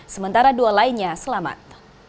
sementara dua lainnya selamat